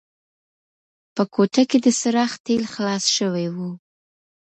په کوټه کې د څراغ تېل خلاص شوي وو.